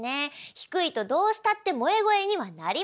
低いとどうしたって萌え声にはなりません。